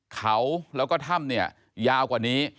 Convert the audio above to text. เขาแล้วก็ถ้ำเนี่ยยาวกว่านี้